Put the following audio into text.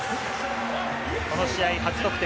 この試合初得点。